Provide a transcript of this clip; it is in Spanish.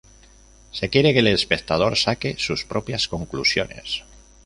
Se quiere que el espectador saque sus propias conclusiones.